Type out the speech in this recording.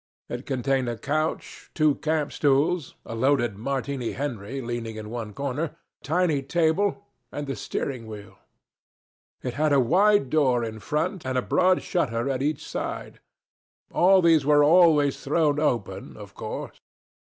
It contained a couch, two camp stools, a loaded Martini Henry leaning in one corner, a tiny table, and the steering wheel. It had a wide door in front and a broad shutter at each side. All these were always thrown open, of course.